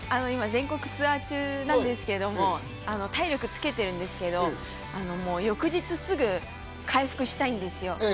今、全国ツアー中なんですけれども、体力をつけてるんですけど、翌日すぐ回復したいんですよ。